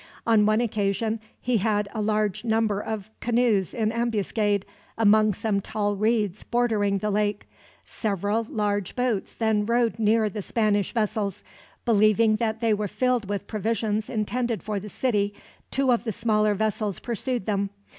On one occasion he had a large number of canoes in ambuscade, among some tall reeds bordering the lake. Several large boats then rowed near the Spanish vessels. Believing that they were filled with provisions intended for the city, two of the smaller vessels pursued them.